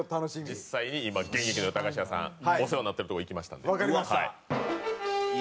実際に今現役の駄菓子屋さんお世話になってるとこ行きましたんで。